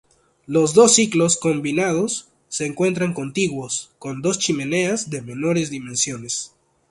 Los dos ciclos combinados se encuentran contiguos, con dos chimeneas de menores dimensiones.